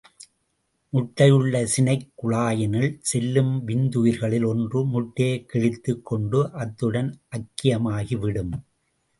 முட்டையுள்ள சினைக் குழாயினுள் செல்லும் விந்துயிர்களில் ஒன்று முட்டையைக் கிழித்துக் கொண்டு அத்துடன் ஐக்கியமாகிவிடும்.